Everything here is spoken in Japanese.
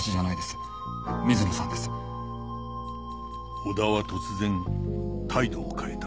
小田は突然態度を変えた